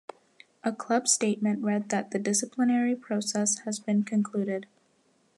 A club statement read that The disciplinary process has been concluded.